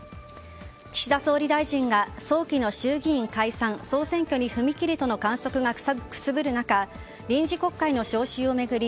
岸田総理大臣が早期の衆議院解散・総選挙に踏み切るとの観測がくすぶる中臨時国会の召集を巡り